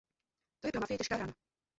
To je pro mafii těžká rána.